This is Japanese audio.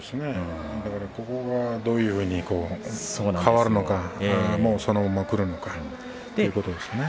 ここがどういうふうに変わるのかそのままくるのかということですね。